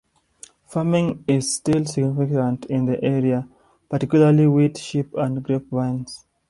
Farming is still significant in the area, particularly wheat, sheep and grapevines.